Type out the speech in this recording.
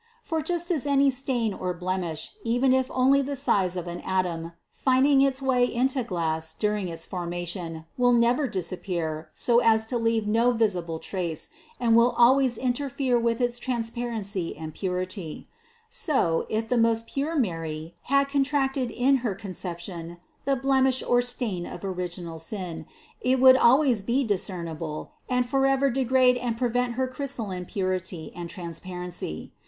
For just as any stain or blemish, even if only the size of an atom, finding its way into glass during its formation will never disappear so as to leave no visible trace and will always interfere with its transparency and purity; so, if the most pure Mary had contracted in her Conception the blemish or stain of original sin, it would always be discernible and forever degrade and prevent her crystalline purity and transparency.